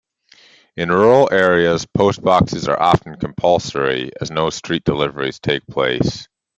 In rural areas Post Boxes are often compulsory as no street deliveries take place.